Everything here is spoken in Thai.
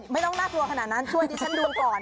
ไม่ต้องน่ากลัวขนาดนั้นช่วยดิฉันดูก่อน